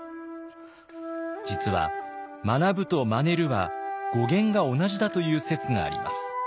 実は「学ぶ」と「まねる」は語源が同じだという説があります。